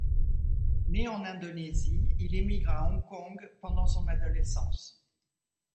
Né en Indonésie, il émigre à Hong Kong pendant son adolescence.